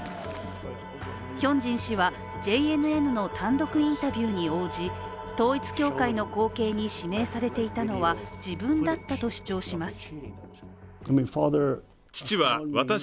ヒョンジン氏はＪＮＮの単独インタビューに応じ統一教会の後継に指名されていたのは自分だったと主張します。